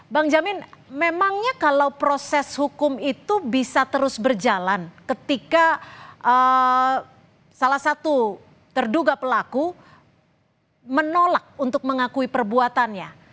bang jamin memangnya kalau proses hukum itu bisa terus berjalan ketika salah satu terduga pelaku menolak untuk mengakui perbuatannya